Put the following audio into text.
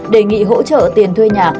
đề nghị hỗ trợ tiền thuê nhà